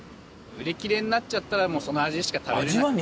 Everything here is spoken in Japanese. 売り切れになっちゃったらもうその味しか食べられなくなっちゃう。